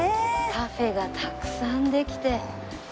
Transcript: カフェがたくさんできて。